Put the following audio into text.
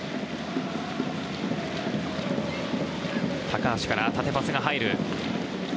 高橋から縦パスが入る。